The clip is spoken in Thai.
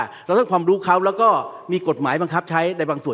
เราต้องความรู้เขาแล้วก็มีกฎหมายบังคับใช้ในบางส่วน